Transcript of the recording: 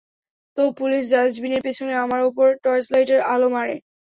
তো পুলিশ ডাস্টবিনের পিছনে আমার উপর টর্চলাইটের আলো মারে।